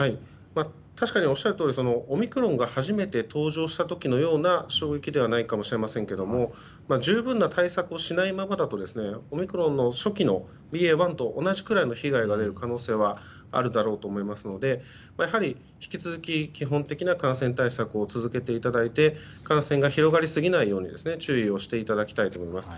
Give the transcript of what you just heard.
おっしゃるとおりオミクロンが初めて登場した時のような衝撃ではないかもしれませんが十分な対策をしないままだとオミクロンの初期のＢＡ．１と同じくらいの被害が出る可能性はあるだろうと思いますのでやはり引き続き、基本的な感染対策を続けていただいて感染が広がりすぎないように注意していただきたいと思います。